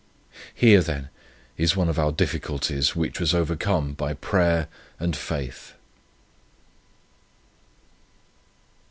"Here, then, is one of our difficulties which was overcome by prayer and faith."